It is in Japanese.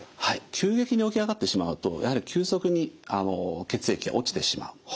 急激に起き上がってしまうとやはり急速に血液が落ちてしまう。